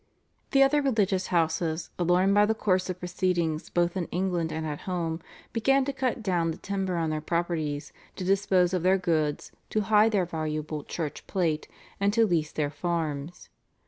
The other religious houses, alarmed by the course of proceedings both in England and at home, began to cut down the timber on their properties, to dispose of their goods, to hide their valuable church plate, and to lease their farms.